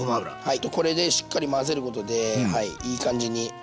これでしっかり混ぜることでいい感じに。